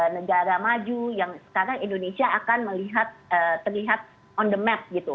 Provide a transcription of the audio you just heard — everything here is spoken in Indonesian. negara maju yang sekarang indonesia akan melihat terlihat on the map gitu